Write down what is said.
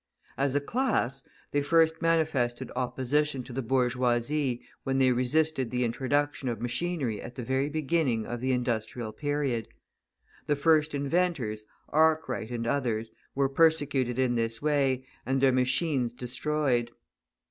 As a class, they first manifested opposition to the bourgeoisie when they resisted the introduction of machinery at the very beginning of the industrial period. The first inventors, Arkwright and others, were persecuted in this way and their machines destroyed.